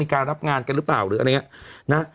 การรับงานกันหรือเปล่าหรืออะไรอย่างนี้นะ